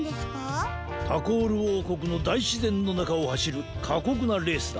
タコールおうこくのだいしぜんのなかをはしるかこくなレースだ。